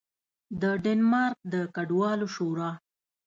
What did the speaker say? د ډنمارک د کډوالو شورا